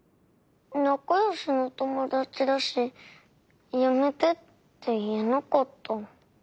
なかよしのともだちだし「やめて」っていえなかった。